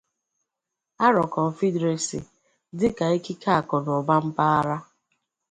Aro Confederacy dị ka ikike akụ na ụba mpaghara.